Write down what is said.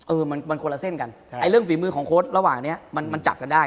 เออมันมันคนละเส้นกันไอ้เรื่องฝีมือของโค้ดระหว่างเนี้ยมันมันจับกันได้